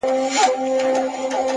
هوښیار انسان له احساساتو توازن جوړوي,